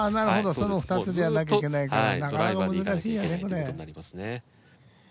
その２つでやんなきゃいけないからなかなか難しいよねこれ。